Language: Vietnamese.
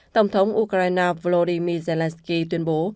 tổng thống ukraine volodymyr zelensky tuyên bố